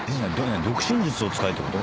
読唇術を使えってこと？